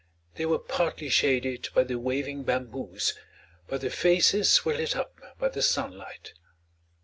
They were partly shaded by the waving bamboos, but their faces were lit up by the sunlight.